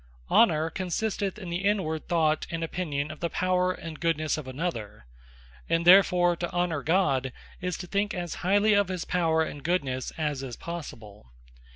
Honour And Worship What Honour consisteth in the inward thought, and opinion of the Power, and Goodnesse of another: and therefore to Honour God, is to think as Highly of his Power and Goodnesse, as is possible.